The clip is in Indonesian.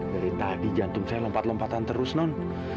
dari tadi jantung saya lompat lompatan terus non